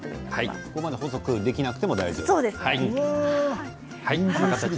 ここまで細くできなくても大丈夫。